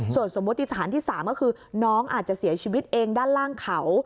ส่วนสมมุติสถานที่๓ก็คือน้องอาจจะเสียชีวิตเองด้านล่างเขา